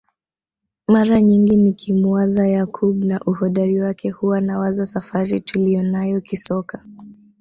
Mara nyingi nikimuwaza Yakub na uhodari wake huwa nawaza safari tuliyonayo kisoka